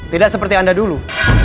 tidak seperti anda dulu